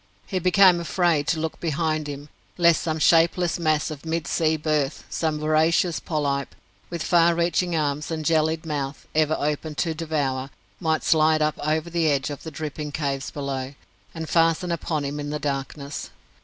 He became afraid to look behind him, lest some shapeless mass of mid sea birth some voracious polype, with far reaching arms and jellied mouth ever open to devour might slide up over the edge of the dripping caves below, and fasten upon him in the darkness.